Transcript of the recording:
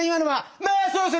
「まあそうっすね。